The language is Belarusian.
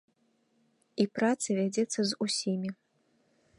І праца вядзецца з усімі.